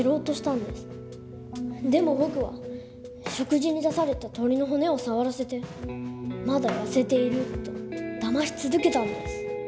でも僕は食事に出された鶏の骨を触らせてまだ痩せているとだまし続けたんです。